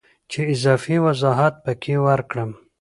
چې اضافي وضاحت پکې ورکړم